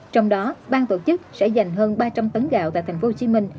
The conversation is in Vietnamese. trong đó bang tổ chức sẽ dành hơn ba trăm linh tấn gạo tại tp hcm